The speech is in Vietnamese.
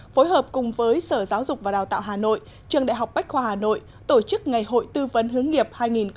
phối hợp cùng với sở giáo dục và đào tạo hà nội trường đại học bách khoa hà nội tổ chức ngày hội tư vấn hướng nghiệp hai nghìn một mươi chín